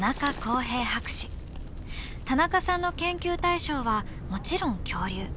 田中さんの研究対象はもちろん恐竜。